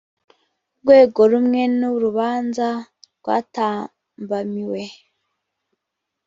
rwego rumwe n urubanza rwatambamiwe